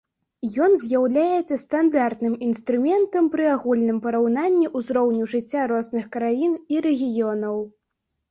Ён з'яўляецца стандартным інструментам пры агульным параўнанні ўзроўню жыцця розных краін і рэгіёнаў.